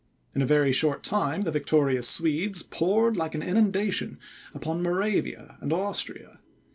In a very short time, the victorious Swedes poured, like an inundation, upon Moravia and Austria.